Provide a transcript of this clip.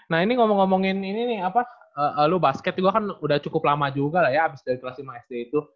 nah ini ngomong ngomongin ini nih apa lu basket juga kan udah cukup lama juga lah ya abis dari kelas lima sd itu